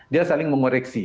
dia saling mengoreksi